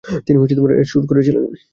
তিনি এর সুর করেছিলেন।